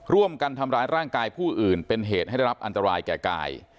ร่วมกันทำร้ายร่างกายผู้อื่นเป็นเหตุให้ได้รับอันตรายแก่กาย